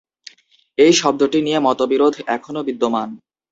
এই শব্দটি নিয়ে মতবিরোধ এখনো বিদ্যমান।